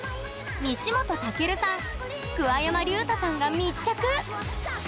西本たけるさん、桑山隆太さんが密着。